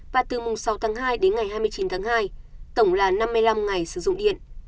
và từ mùng sáu tháng hai đến ngày hai mươi chín tháng hai tổng là năm mươi năm ngày sử dụng điện